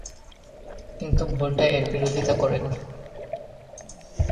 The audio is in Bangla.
কিন্তু ভোল্টা এর বিরোধিতা করেন।